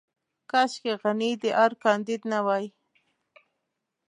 کاشکې غني د ارګ کانديد نه وای.